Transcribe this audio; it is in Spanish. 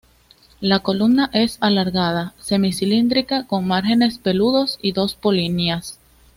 La columna es alargada, semi cilíndrica con márgenes peludos y dos polinias.